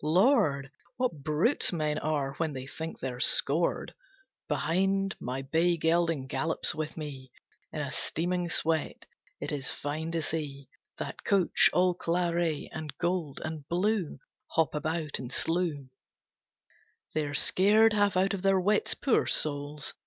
Lord! What brutes men are when they think they're scored. Behind, my bay gelding gallops with me, In a steaming sweat, it is fine to see That coach, all claret, and gold, and blue, Hop about and slue. They are scared half out of their wits, poor souls.